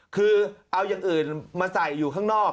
คือเอาอย่างอื่นมาใส่อยู่ข้างนอก